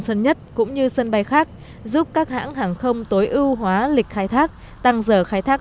sân nhất cũng như sân bay khác giúp các hãng hàng không tối ưu hóa lịch khai thác tăng giờ khai thác